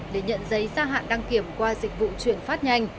để nhận giấy gia hạn đăng kiểm qua dịch vụ chuyển phát nhanh